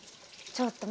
ちょっと！